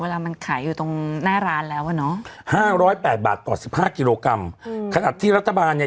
เวลามันขายอยู่ตรงหน้าร้านแล้วเนาะ๕๐๘บาทต่อ๑๕กิโลกรัมขนาดที่รัฐบาลเนี่ย